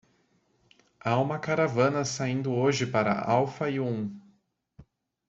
"Há uma caravana saindo hoje para Al-Fayoum."